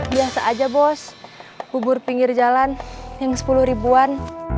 biasa aja bos bubur pinggir jalan yang sepuluh ribuan